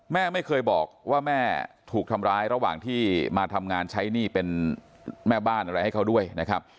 แม่ไม่เคยบอกว่าแม่ถูกทำร้ายระหว่างที่มาทำงานใช้หนี้เป็นแม่บ้านอะไรให้เขาด้วยนะครับ